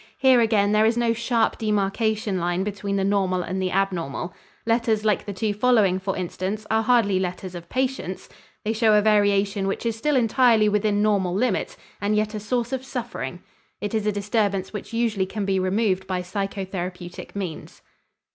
Here again there is no sharp demarcation line between the normal and the abnormal. Letters like the two following, for instance, are hardly letters of patients. They show a variation which is still entirely within normal limits and yet a source of suffering; it is a disturbance which usually can be removed by psychotherapeutic means.